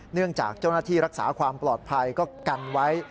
เนื่องจากเจ้าหน้าที่รักษาความปลอดภัยก็กันไว้